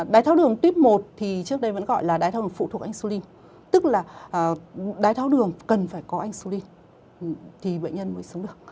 đai tháo đường type một thì trước đây vẫn gọi là đai tháo đường phụ thuộc insulin tức là đai tháo đường cần phải có insulin thì bệnh nhân mới sống được